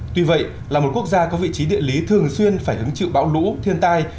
tuy vậy là một quốc gia có vị trí địa lý thường xuyên phải hứng chịu bão lũ thiên tai